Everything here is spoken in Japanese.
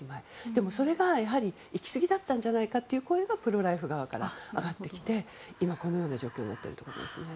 でもそれが行きすぎだったんじゃないかという声がプロ・ライフ側から上がってきてこのような状況になっていますね。